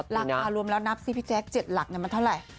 ราคารวมแล้วนับสิพี่แจ๊ค๗หลักมันเท่าไหร่